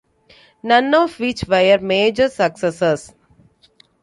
None of which were major successes.